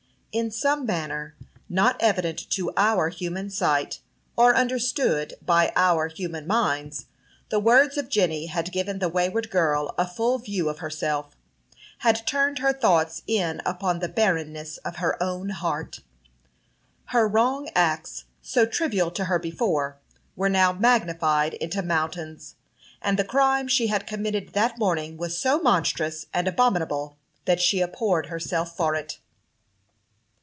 In some manner, not evident to our human sight, or understood by our human minds, the words of Jenny had given the wayward girl a full view of herself had turned her thoughts in upon the barrenness of her own heart. Her wrong acts, so trivial to her before, were now magnified into mountains, and the crime she had committed that morning was so monstrous and abominable that she abhorred herself for it.